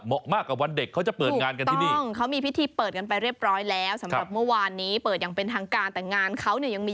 เหมาะกับวันเด็กเขาจะเปิดงานกันที่นี่